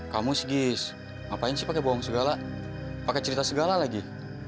kamu sih gis ngapain sih pake bohong segala pake cerita segala lagi